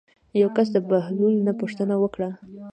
یو کس د بهلول نه پوښتنه وکړه.